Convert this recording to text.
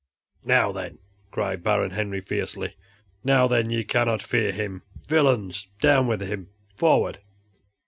"Now then!" cried Baron Henry, fiercely, "now then, ye cannot fear him, villains! Down with him! forward!"